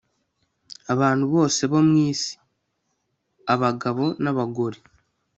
Abantu bose bo mu isi, A bagabo n'abagore,